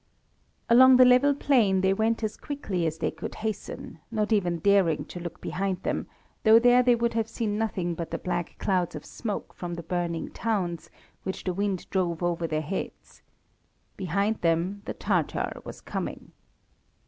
Along the level plain they went as quickly as they could hasten, not even daring to look behind them, though there they would have seen nothing but the black clouds of smoke from the burning towns, which the wind drove over their heads. Behind them the Tatar was coming.